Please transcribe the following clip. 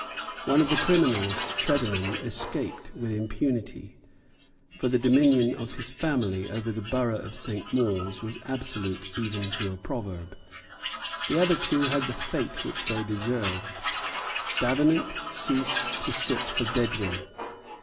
One of the criminals, Tredenham, escaped with impunity. For the dominion of his family over the borough of St. Mawes was absolute even to a proverb. The other two had the fate which they deserved. Davenant ceased to sit for Bedwin.